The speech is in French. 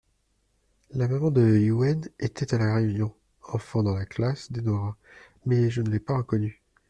La maman de Youenn était à la réunion, enfant dans la classe d’Enora, mais je ne l’ai pas reconnue.